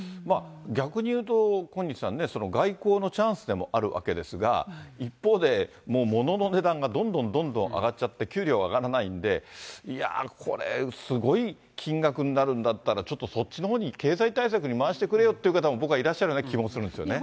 逆に言うと、小西さんね、外交のチャンスでもあるわけですが、一方で、もうものの値段がどんどんどんどん上がっちゃって、給料上がらないんで、いやぁ、これ、すごい金額になるんだったら、ちょっとそっちのほうに、経済対策に回してくれよって方も、僕はいらっしゃるような気もするんですよね。